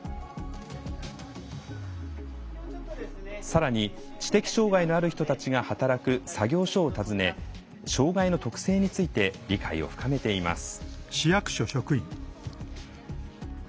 さらに知的障害のある人たちが働く作業所を訪ね障害の特性について理解を深めています。